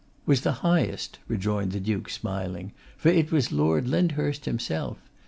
'Was the highest,' rejoined the Duke, smiling, 'for it was Lord Lyndhurst himself.